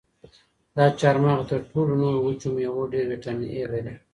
دا چهارمغز تر ټولو نورو وچو مېوو ډېر ویټامین ای لري.